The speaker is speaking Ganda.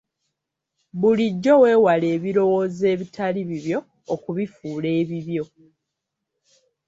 Bulijjo weewale ebirowoozo ebitali bibyo okubifuula ebibyo.